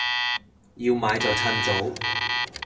要買就襯早